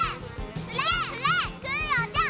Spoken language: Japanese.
フレッフレックヨちゃん！